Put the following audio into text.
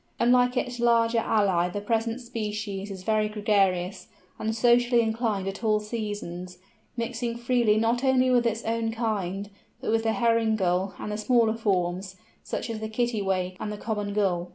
Unlike its larger ally the present species is very gregarious, and socially inclined at all seasons, mixing freely not only with its own kind, but with the Herring Gull and the smaller forms, such as the Kittiwake, and the Common Gull.